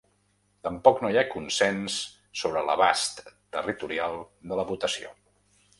Tampoc no hi ha consens sobre l’abast territorial de la votació.